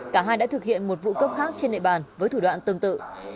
cả hai đã thực hiện một vụ cướp khác trên nệ bàn với thủ đoạn tương tự